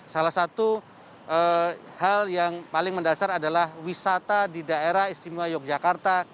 salah satu hal yang paling mendasar adalah wisata di daerah istimewa yogyakarta